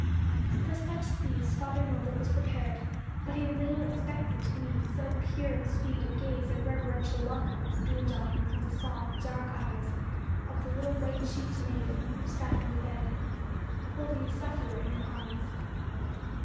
For such as these Father Norbert was prepared; but he little expected to meet so pure and sweet a gaze of reverential welcome as beamed on him from the soft, dark eyes of the little white checked maiden who sat on the bed, holding the sufferer in her arms.